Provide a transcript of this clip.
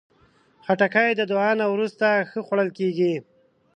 خټکی د دعا نه وروسته ښه خوړل کېږي.